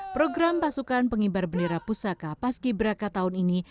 program pasukan pengibar bendera pusaka pas kibraka tahun ini